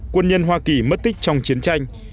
quân nhân hoa kỳ mất tích trong chiến tranh